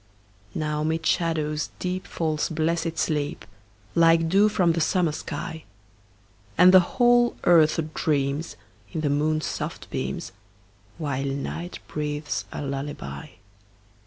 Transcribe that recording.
Now 'mid shadows deep Falls blessed sleep, Like dew from the summer sky; And the whole earth dreams, In the moon's soft beams, While night breathes a lullaby.